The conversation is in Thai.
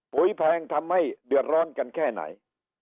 แพงทำให้เดือดร้อนกันแค่ไหน